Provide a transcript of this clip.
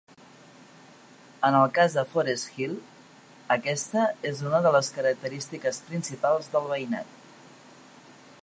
En el cas de Forest Hill, aquesta és una de les característiques principals del veïnat.